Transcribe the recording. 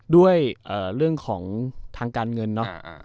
ด้วยเรื่องของทางการเงินเนาะ